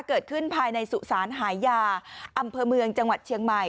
เกิดขึ้นภายในสุสานหายาอำเภอเมืองจังหวัดเชียงใหม่